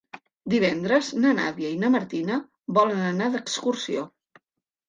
Divendres na Nàdia i na Martina volen anar d'excursió.